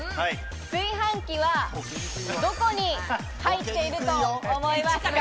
炊飯器はどこに入っていると思いますか？